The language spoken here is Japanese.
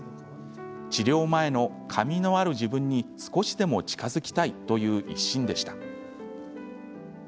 治療前の髪のある自分に少しでも近づきたいという一心でした。